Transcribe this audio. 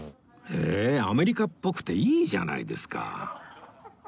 ええアメリカっぽくていいじゃないですか